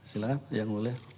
silahkan yang mulia